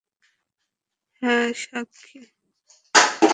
হ্যাঁ, সাক্ষী।